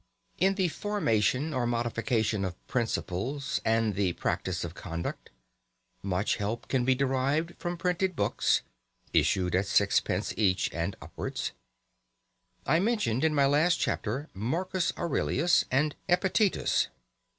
In the formation or modification of principles, and the practice of conduct, much help can be derived from printed books (issued at sixpence each and upwards). I mentioned in my last chapter Marcus Aurelius and Epictetus.